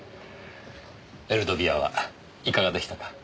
エルドビアはいかがでしたか？